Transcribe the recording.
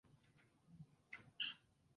いずれ精巧無比な飜訳機械が発明される日まで、